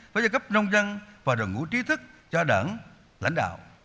với gia cấp nông dân và đồng ngũ trí thức cho đảng lãnh đạo